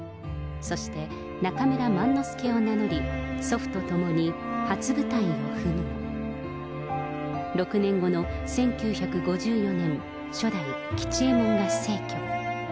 そして中村萬之助を名乗り、祖父と共に初舞台を踏むも、６年後の１９５４年、初代吉右衛門が逝去。